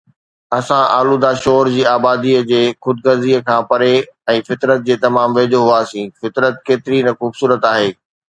اسان آلوده شور جي آباديءَ جي خود غرضيءَ کان پري ۽ فطرت جي تمام ويجهو هئاسين، فطرت ڪيتري نه خوبصورت آهي.